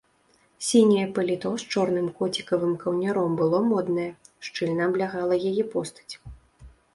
Сіняе паліто з чорным коцікавым каўняром было моднае, шчыльна аблягала яе постаць.